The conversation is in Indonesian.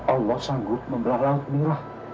allah sanggup membelah laut inilah